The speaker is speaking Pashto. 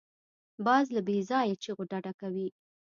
باز له بېځایه چیغو ډډه کوي